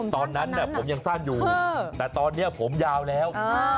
ตอนนั้นผมยังสั้นอยู่แต่ตอนนี้ผมยาวแล้ว